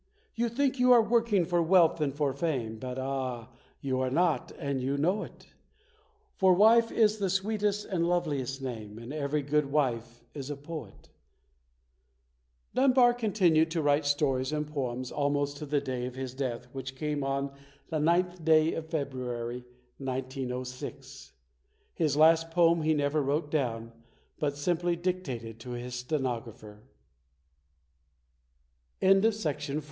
You think you are working for wealth and for fame, But ah, you are not, and you know it ; For wife is the sweetest and loveliest name, And every good wife is a poet ! PAUL LAURENCE DUNBAR [59 Dunbar continued to write stories and poems almost to the day of his death, which came on the 9th day of February, 1906. His last poem he never wrote down, but simply dictated to his stenographer.